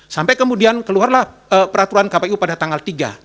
sampai kemudian keluarlah peraturan kpu pada tanggal tiga